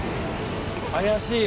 怪しいよ。